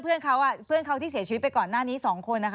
เพื่อนเขาที่เสียชีวิตไปก่อนหน้านี้สองคน